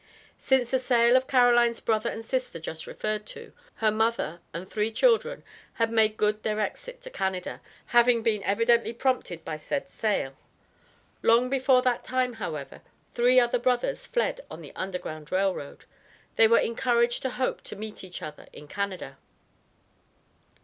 Since the sale of Caroline's brother and sister, just referred to, her mother and three children had made good their exit to Canada, having been evidently prompted by said sale. Long before that time, however, three other brothers fled on the Underground Rail Road. They were encouraged to hope to meet each other in Canada.